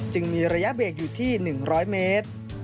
มีระยะเบรกอยู่ที่๑๐๐เมตร